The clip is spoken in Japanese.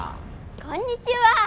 こんにちは。